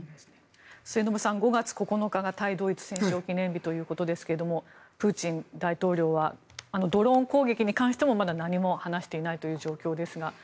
末延さん、５月９日が対ドイツ戦勝記念日ということですがプーチン大統領はドローン攻撃に関してもまだ何も話していないという状況ですが。